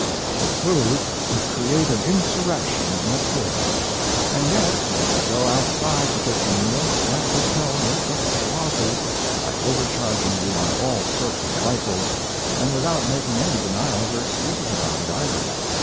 The food would create an insurrection in a poorhouse; and yet if you go outside to get your meals that hotel makes up its loss by overcharging you on all sorts of trifles and without making any denials or excuses about it, either.